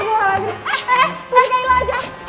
eh kurangnya ilah aja